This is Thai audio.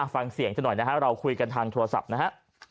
ฟังเสียงเธอหน่อยนะฮะเราคุยกันทางโทรศัพท์นะฮะ